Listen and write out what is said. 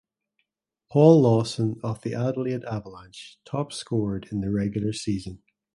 Paul Lawson of the Adelaide Avalanche top scored in the regular season.